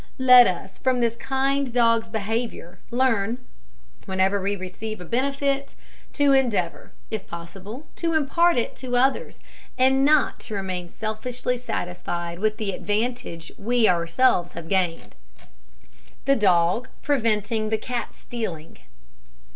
Let us, from this kind dog's behaviour, learn, whenever we receive a benefit, to endeavour, if possible, to impart it to others, and not to remain selfishly satisfied with the advantage we ourselves have gained. THE DOG PREVENTING THE CAT STEALING.